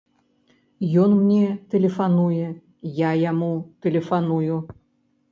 Ён мне тэлефануе, я яму тэлефаную.